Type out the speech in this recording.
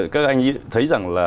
các anh thấy rằng là